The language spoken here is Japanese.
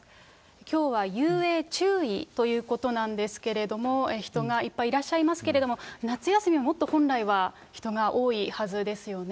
きょうは遊泳注意ということなんですけれども、人がいっぱいいらっしゃいますけれども、夏休みは、もっと本来は人が多いはずですよね。